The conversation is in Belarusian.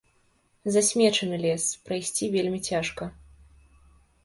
Засмечаны лес, прайсці вельмі цяжка.